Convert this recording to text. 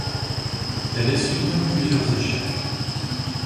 Elle essuya plusieurs échecs.